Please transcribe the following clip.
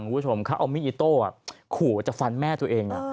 คุณผู้ชมค่ะออมิอิโต้ขู่จากฟังแม่ตัวเอง